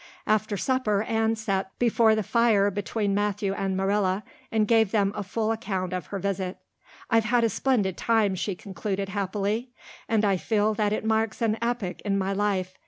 After supper Anne sat before the fire between Matthew and Marilla, and gave them a full account of her visit. "I've had a splendid time," she concluded happily, "and I feel that it marks an epoch in my life.